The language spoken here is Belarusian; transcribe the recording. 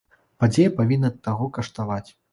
Падзея павінна таго каштаваць.